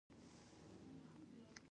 ژبې د افغانستان د ځمکې د جوړښت نښه ده.